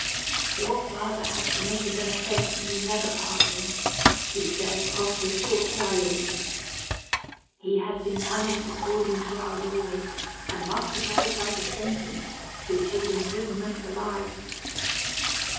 "Your father has committed an offence we never pardon," he said, after a short silence. "He has been punished according to our laws, and must abide by the sentence, which is imprisonment for life."